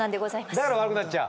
だから悪くなっちゃう？